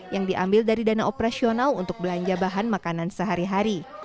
yang diambil dari dana operasional untuk belanja bahan makanan sehari hari